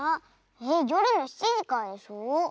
えっよるの７じからでしょ？